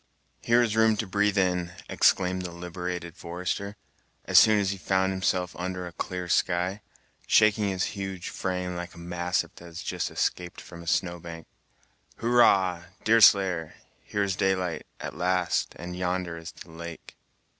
"Here is room to breathe in!" exclaimed the liberated forester, as soon as he found himself under a clear sky, shaking his huge frame like a mastiff that has just escaped from a snowbank. "Hurrah! Deerslayer; here is daylight, at last, and yonder is the lake."